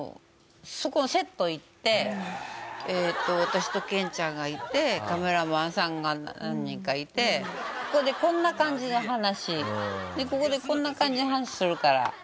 そこのセット行って私とけんちゃんがいてカメラマンさんが何人かいて「そこでこんな感じの話ここでこんな感じの話するから。